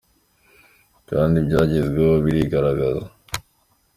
kandi ibyagezweho birigaragaza.